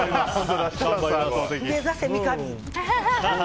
目指せ三上！